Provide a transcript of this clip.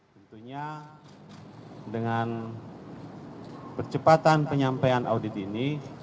tentunya dengan percepatan penyampaian audit ini